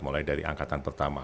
mulai dari angkatan pertama